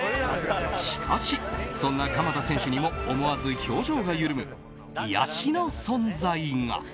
しかし、そんな鎌田選手にも思わず表情が緩む癒やしの存在が。